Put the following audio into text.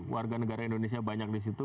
warga negara indonesia banyak di situ